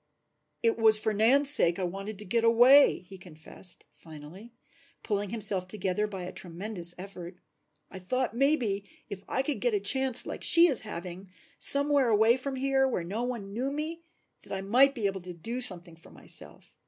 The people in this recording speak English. "It was for Nan's sake that I wanted to get away," he confessed finally, pulling himself together by a tremendous effort. "I thought maybe if I could get a chance like she is having, somewhere away from here where no one knew me, that I might be able to do something for myself.